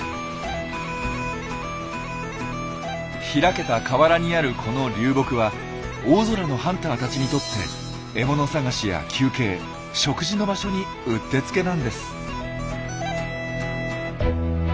開けた河原にあるこの流木は大空のハンターたちにとって獲物探しや休憩食事の場所にうってつけなんです。